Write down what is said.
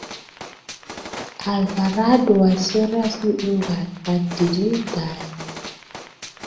Alvarado was seriously injured, but did not die.